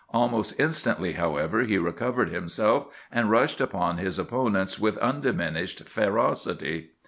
Almost instantly, however, he recovered himself, and rushed upon his opponents with undiminished ferocity.